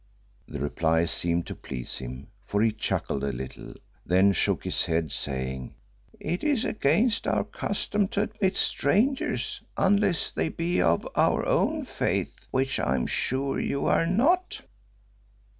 The reply seemed to please him, for he chuckled a little, then shook his head, saying "It is against our custom to admit strangers unless they be of our own faith, which I am sure you are not."